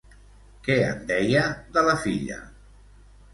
Què en deia de la filla?